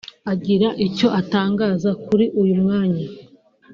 Agira icyo atangaza kuri uyu mwanya